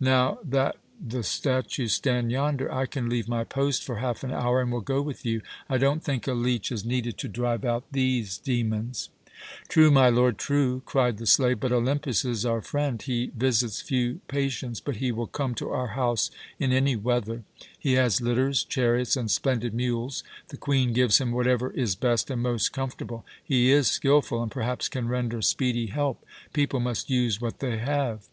Now that the statues stand yonder, I can leave my post for half an hour and will go with you. I don't think a leech is needed to drive out these demons." "True, my lord, true!" cried the slave, "but Olympus is our friend. He visits few patients, but he will come to our house in any weather. He has litters, chariots, and splendid mules. The Queen gives him whatever is best and most comfortable. He is skilful, and perhaps can render speedy help. People must use what they have."